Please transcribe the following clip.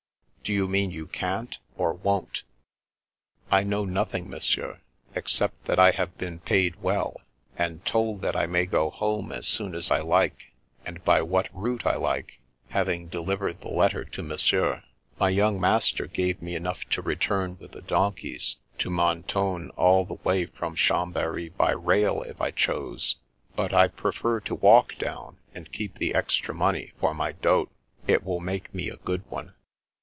Do you mean you can't, or won't ?" I know nothing. Monsieur, except that I have been paid well, and told that I may go home as soon as I like, and by what route I like, having de livered the letter to Monsieur. My young master gave me enough to return with the donkeys to Men tone all the way from Chambery by rail if I chose ; but I prefer to walk down, and keep the extra money for my dot. It will make me a good one."